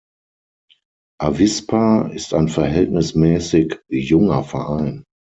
Avispa ist ein verhältnismäßig junger Verein.